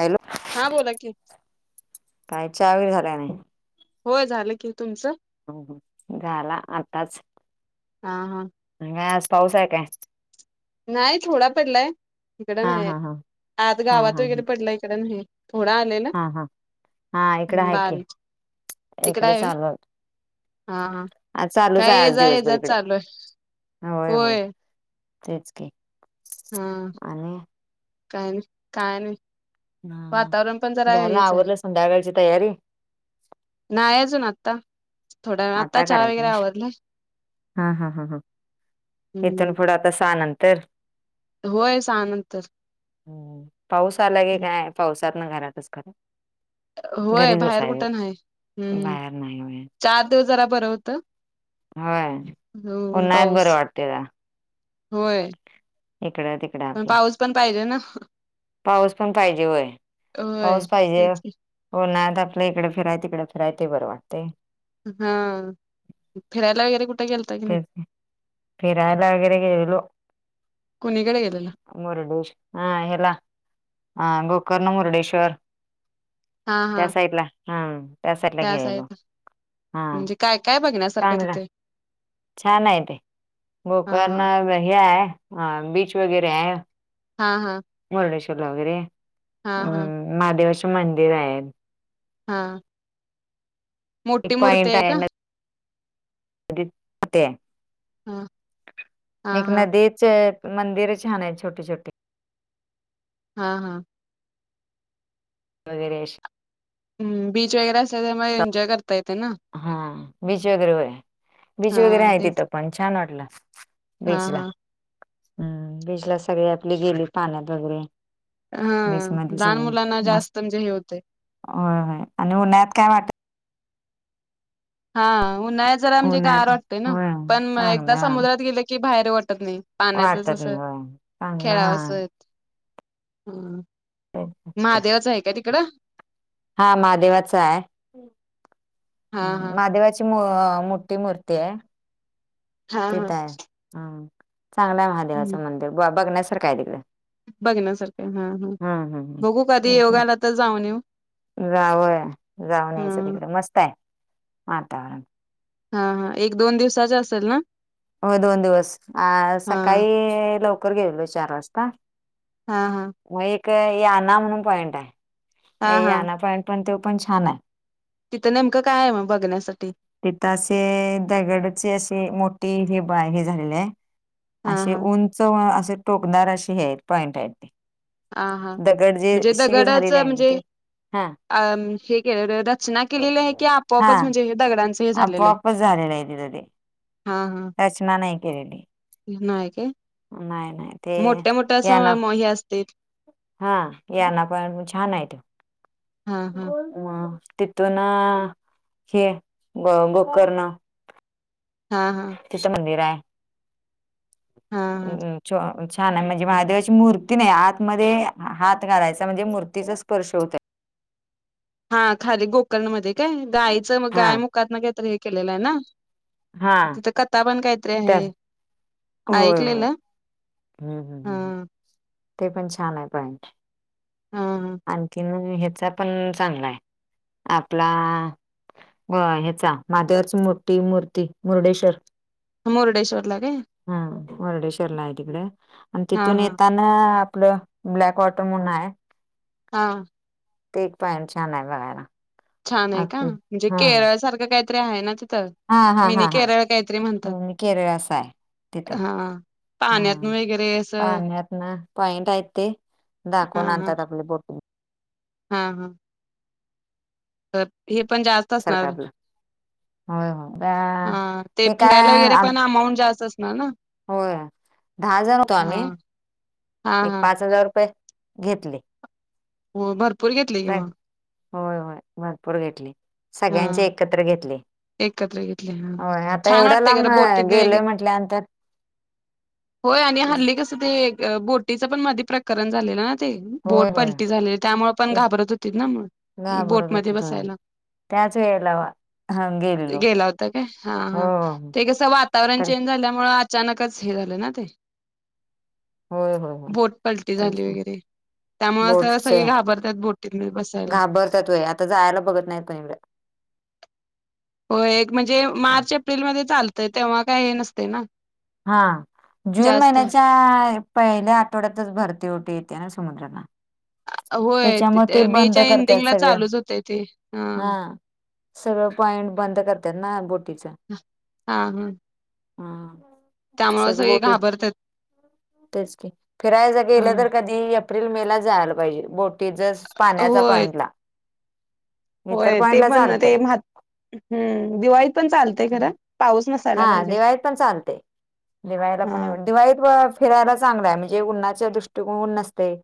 Hello हा बोला की, काय च्या बी झाला का नाय होय झालं की तुमचं हूं हूं झाला आताच हा हा [unintelligible] आज पाऊस हाय काय नाय थोडा पडलाय इकडं हा न्हायये हा हा आत हा गावात हा वगैरे पडलाय इकडे न्हाय ये थोडा आलेला हा हा हा इकड आहे की बारीक तिकड इकडे आहे होय? चालू. हा हा आ चालूच काय आहे ये आज जा ये जा दिवसभरी इकडे चालू आहे होय होय. तेच क हा आणि. काय काय नाही. हा वातावरण पण जरा झालं हेच आहे आवरलं संध्याकाळची तयारी. नाही अजून आत्ता. थोड्या आता चहा वगैरे आवडलाय हा हम्म. तसानंतर. होय सहा नंतर. हम् पाऊस आला की हम्म. काय पावसात ना घरातच खरं. होय घरीच बाहेर बसायचं कुठं नाही हम्म बाहेर नाही होय. चार दिवस जरा बरं होतं. होय पन ऊन नाहीत पाऊस बरं वाटते का. होय. इकडे. पाऊस पण पाहिजे ना. पाऊस पण पाहिजे वय होय पाऊस पाहिजे. तेच की. हो ना आ तर आपल्या इकडे फिरायं तिकडे फिरायच बरं वाटतेय. हा फिरायला वगैरे कुठे गेल. ते फर आहे लागर गलो. कुणीकडे गेलेला मुरडेश् हह हेला ह गोकर्ण मुरडेश्वर. हा त्या हा साईड ला. हां त्यासाठीला घे त्याच आलो आहेत हां म्हणजे काय काय बघण्यासारखं चांगलं. तिथे छान आहे ते हा गोकर्ण हे आहे बीच वगैरे आहे. हा हा. वरडेश्ववरला वगैरे. हा हा. अम महादेवाचे मंदिर आहे. हां. एक मो्टी मुूर्ती पॉइंट आहे का. हा हा एक हा नदीच. मंदिर छान आहेत छोटे छोटे. हा हा. वगैरे. हम् बीच वगैरे असेल तर मग एन्जॉय करता येते ना. हा बीच वगैरे व बीच वगैरे हा आहे तेच तिथं पण छान वाटलं. हा बीचला. हा. हम्म बिजला सगळी आपली गेली पाण्यात वगैरे. हा बीच मध्ये लहान सगळी मुलांना मस्त जास्त म्हणजे हे होते. होय होय आणि उन्हा्यात काय वाटत. हा उन्हाळत जरा म्हणजे ग उन्हात वाटतेय ना होय पण चांगलं एकदा हा समुद्रात गेले की बाहेर वाटत नाही. पाण्यातच वाटत अस नाही होय चांगलं खेळाव हा. असं. ह तेच. महादेवाच आहे काय तिकडं. हा महादेवाचा आहे हा हा महादेवा. मुठी मूर्ती आहे. हा हा तिथ आहे हम चांगलं आहे हम्म महादेवाचं मंदिर ब बघण्यासारखं आहे तिकडे. बघण्यासारखं हा हा हम्म बघू कधी योगाला तर जाऊन न येऊ. जावय जाऊ नयचं हा तिकड मस्त आहे वातावरण. हा हा एक दोन दिवसाच असेल ना. हो दोन दिवस अ हा सकाळी लवकर गेऊलो चार वाजता. हा हा. मग एक याना म्हणून पॉईंट हा आहे हा याना पॉईंट पण तो पण छान आहे. तिथं नेमकं काय आहे मग बघण्यासाठी. तिथं असे दगडचे असे मोठी हे बाय हे झालेली आहे. हा असे हा उंच असे टोकदार अे हे पॉइंट आहेत ते. ह हा दगड जे म्हणजे त्या शिवी दगडाच झालेले आहे ना म्हणजे. ते हा अ हे केलंल रचना केलेली आहे की हा आपोआपच म्हणजे दगडांच. आपोआपच झालेलं आहे तिथं ते हा हा रचना नाही केलेली. नाही का नाही नाही ते मोठ्या मोठ्या याना असं हे असतय. हा या ना पण छान आहेत. हा हा अं तिथून हे ग गोकर्ण. हा हां तचं मंदिर आहे हा हा [unintelligible] छान आहे म्हणजे महादेवाची मूर्ती नाही आतमध्ये हात घालायचा म्हणजे मूर्तीचा स्पर्श होतय. हा खाली गोकर्ण मध्ये काय गायचं हा गाय मुकात ना कायतरी हे केलेलं आहे ना. तिथं कता पण काय. त्या होय होय हम्म हा हम्म हम्. ते पण छान आहे पईंट हा हा आणखीन. ह्याचा पण चांगला आहे आपला. हो ह्याचा [unintelligible] मूर्ती मूर्ती मुर्डेश्वर. मुर्डेश्वरला काय. हा मुर्डेश्वरला आहे तिकडे आणि हा तिथून हा येता आपलं ब्लॅक वॉटर म्हणून आहे. हां ते पण छान आहे बघायला. छान आहे हा का म्हणजे केरळ सारखं काहीतरी आहे ना तिथं. हा हा हा मिनी हा केरळ काहीतरी म्हणतात केरळस आहे तिथे हा हम्म पाण्यातून वगैरे असं पाण्यात ना पॉइंट आहेत ते. हा दाखवून हा आणतात आपले बोटून. हा हां तर हे पण जास्त सारखं असणार. आपलं होय होय त्या हा ते हे फिरायला काय वगैरे आम पण अमाऊंट जास्त असणार ना? होय दहा जण होतो हा आम्ही. हा एक हा पाच हजार रुपये घेतले. हो भरपूर घेतले कि काय मग. होय होय भरपूर घेतले हा सगळ्यांचे एकत्र घेतले. एकत्र घेतले हा हो आता छान एवढ्या वाटते लांब खरं बोटीत वगैरे गेलोय म्हटल्यानंतर. होय आणि हल्ली कस ते बोटीचं पण मधी प्रकरण झालेलंना. ते बोट होय होय पलटी झालेले त्यामुळे पण ते घाबरत होती ना घाबरत होत बोटमध्ये थोड बसायला. त्याच वेळेला हां गेली गेला होता का हा हा ते वातावरण तर चेंज झाल्यामुळे अचानकच हे झालं ना ते. होय होय होय बोट पलटी तेच झाली वगैरे. त्यामुळं तर बोटच सगळे घाबरतात बोटीत बसायला. तं जायला बघत नाही तु हो एक म्हणजे मार्च एप्रिलमध्ये चालतय तेव्हा काय हे नसते ना. हा जून जास्त महिन्याच्या पहिल्या आठवड्यातच भरती ओटी येते ना समुद्राला. होय त्याच्यामुळे ते बंद मेच्या करतात एंडिंगला सगळं चालूच होतय ते हा. सगळं पॉईंट बंद करतात ना बोटीच. हा हां हां सगळ बोटी घाबरतात तेच क फिरायच हा गेलं तर कधी एप्रिल मेला जायला पाहिजे बोटीचाच पाण्याचा होय पॉईंटला होय ते पण ते हम्म दिवाळीत पण चालतंय खरं पाऊस नस हा दिवाळीत पण चालतंय दिवाळीला हा पण एवढ दिवाळीत फिरायला चांगलाय म्हणजे उन्हाच्या दृष्टीकोन ऊन नसतंय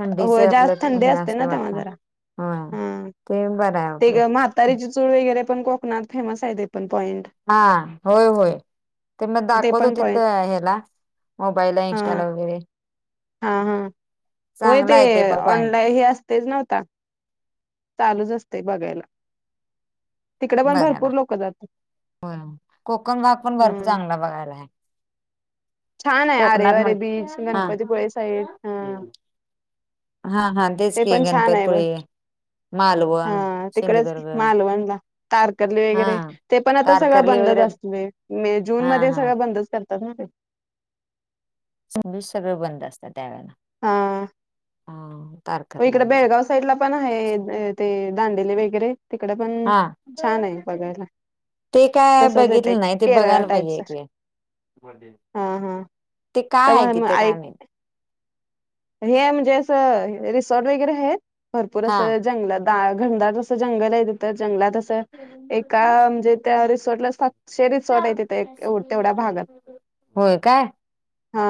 थंडीच होय जास्त आपलं थंडी हे असते ना तेव्हा वाता जरा हा ते पण बरं आहे ते आपले ग म्हातारीची चूळ वगैरे पण कोकणात फेमस आहे ते पण पॉईंट. हा होय होय ते मग पण दाखवत पॉईंट होते ह्याला मोबाईलला हा इन्स्टला वगैरे हा हा चांगला आहे ते पण पॉईंट तेच नव्हता चालूच असतंय बघायला तिकडे पण बघायला भरपूर लोक जातात. होय कोकण भाग पण भरपूर हम्म चांगला बघायला आहे. छान आहे आरे कोकणात वरे म्हण बीच हा गणपतीपुळे साईड हा हा हा तेच ते की पण छान आहे ब गणपतपुळी हा तिकडेच मालवणला तारकर्ली हा वगैरे ते पण आता सगळं तारकर्ली बंदच वगैरे असतंय मे जून हा मध्ये हा सगळं बंदच कर तात ना ते सस सगळं बंद असतं त्यावेेळेला ह मग इकडे बेळगाव साईड ला पण आहे ते दांडेले वगैरे तिकडे पण हा छान आहे बघायला ते काय तसच येते बघितलं नाही ते केरळा बघायला पाहिजे टाईपच एकवेळ हा हा ते काय आहे तर तिथं काय ऐक माहित हे म्हणजे असं रिसॉर्ट वगैरे आहेत भरपूर हा असं जंगलात घनदाट असं जंगल आहे तिथं जंगलात असं एका म्हणजे त्या रिसोर्टला शे रिसॉर्ट आहे तिथं एक तेवढ्या भागात होय काय हा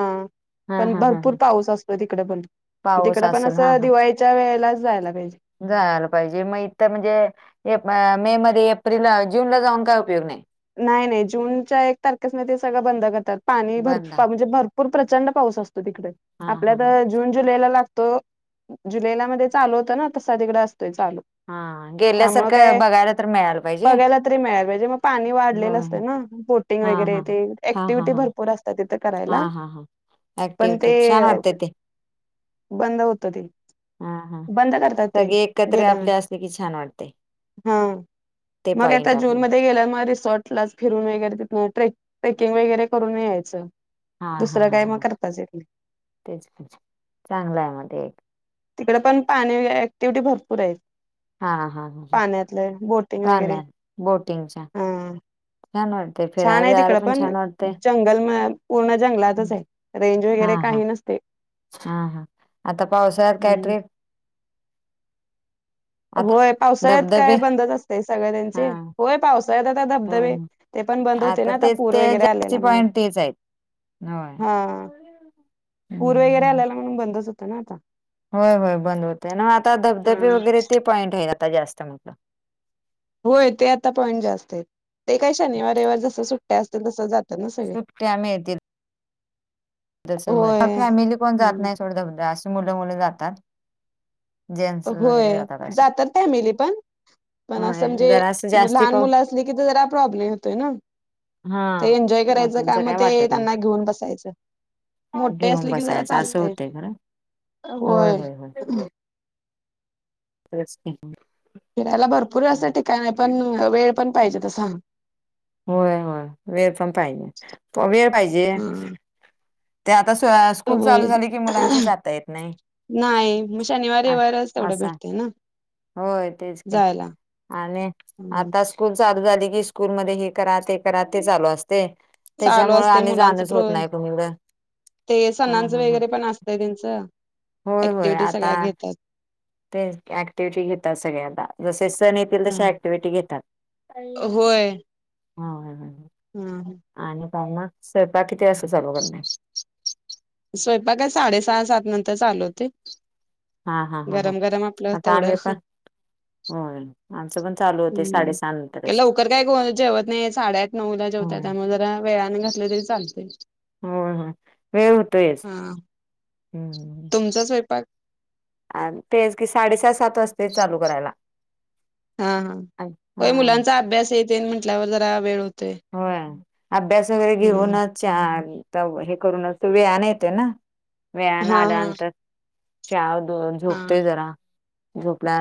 हा पण हा हा हा भरपूर पाऊस असतोय तिकडं पण, पाऊस तिकडं पण असेल असं हा दिवाळी हा दिवाळीच्या वेळेलाच जायला पाहिजे. जायला पाहिजे मग इथं म्हणजे मे मध्ये एप्रिलला जूनला जाऊन काय उपयोग नाही. नाही नाही जूनच्या एक तारखेस न ते सगळं बंद करतात पाणी भर बंद म्हणजे भरू पूर प्रचंड पाऊस असतो तिकडे हा हा हा आपल्या जून जुलैला लागतो जुलैला मध्ये चालू होत ना तसा तिकडं असतोय चालू हा त्यामुळं गेल्यासारखं काय बघायला तर मिळायला पाहिजे बघायला तरी मिळाय पाहिजे मग पाणी वाढलेलं होय असतय ना बोटिंग हा वगैरे हा हा तेे हा हा अँक्टिव्हिटी भरपूर असत्या तिथं करायला पण ते अँक्टिव्हिटी छान वाटतंय ते बंद होतं ते हा हा बंद करतात ते सगळे एकत्र आपले गेल्यानंतर असले की छान वाटते हा ते मग काय आता पॉइंट जून आपले मध्ये गेल्यावर मग रिसॉर्ट ला फिरून वगैरे तिथंन ट्रेकिंग वगैरे करून यायचं. हा हा दुसरं काय मग हा, करताच येत नाही तेच बीच चांगलं आहे. मग ते एक तिकडंपण पाणी ऍक्टिव्हटी भरपूर आहेत. हा हा हा पाण्यातलं बोटिंग वगैरे, पाण्यात बोटिंगच्या हा छान वाटतं छान आहे तिकडं पण जंगल म पूर्ण जंगलातच आहे. रेंज हा वगैरे हा काही नसते. हा हा आता पावसाळ्यात काय हम्म. ट्रीप आता होय पावसाळ्यात धबधबे काय बंदच असतंय सगळ हा त्यांचे होय पावस साळ्यात आता होय धबधबे होय. ते पण बंद होते ना आता तेच पूर ते वगैरे जास्ती आलेला म्हणून. पॉइंट तेच आहेत होय हा पूर वगैरे हम्म आल्यायला म्हणून बंदच होतं ना आता. होय होय बंद होतंय, मग आता हा धबधबे वगैरे ते पॉईंट आहेत आता जास्त मोठं. होय ते आता पॉईंट जास्त आहेत, ते काही शनिवार-रयवार जसं सुट्ट्या असतील तसं जात सुट्ट्या मिळतील. जसं, होय फॅमिली कोण जात हम्म. नाही सोडं [unintelligible] असे मुलं मुलं जातात. जेंट्स वगैरे होय, असे जातात फॅमिली पण पण असं होय म्हणजे, जरा असं जास्ती लहान पाऊ मुलं असले की तर जरा प्रॉब्लेम येतोय ना. हा ते एन्जॉय करायचं का मोठ्यांचं मग काय ते वाटत नाही त्यांना घेऊन बसायचं? मोठे घेऊन असले कि जरा बसायचं असं चालतंय, होतंय खरं होय. होयच की. फिरायला भरपूर हम्म. असं ठिकाण आहे पण, वेळ पण पाहिजे तसा. होय होय वेळ पण पाहिजे, प वेळ पाहिजे. हम्म. ते आता स स्कूल चालू होय. झाली की मुलांची जाता येत नाही. नाही, मग शनिवार रविवारच तेवढं असा भेटतंय ना. होय तेच की, जायला. आणि हम्म. आता स स्कूल चालू झाली की, स्कूल मध्ये हे करा ते करा ते चालू असतंय. चालू त्याच्यामुळे असते आणि मुलांच जाणच होत प्रो नाही कुणीकडं. ते हा सणांचं हा हा वगैरे पण असतं त्यांचं, होय होय ऍक्टिव्हिटी सगळ्या आता घेतात. ते ऍक्टिव्हिटी घेतात सगळे आता, जसे सण येतील हा. तसे ऍक्टिव्हिटी घेतात. होय हा हाय हाय हम्म हम्म आणि काय मग, स्वयंपाक किती वाजता चालू करण [unintelligible] स्वयंपाक काय साडे सहा, सात नंतर चालू होते. हा हा हा हा गरम गरम आपलं आता तेवढं आम्ही पण होय आमचं पण चालू होते हम्म, साडेसहा नंतरच लवकर काय को जेवत नाही साडे आठ नऊला जेवतात, होय. त्यामुळे जरा वेळाने घातले तरी चालते. होय होय, वेळ होतोयच हा हम्म. तुमचा स्वयपाक? अ तेच की, साडे सा सात वाजते चालू करायला. हा, होय हा मुलांचा अभ्यास हे तेन म्हटल्यावर जरा वेळ होतोय. होय, अभ्यास वगैरे हा घेऊनच चहा हे करूनच, तो वेळानं येतोय ना. वेळानं हा हा आल्यानंतर, चहा हा. झोपतोय जरा झोपल्यानं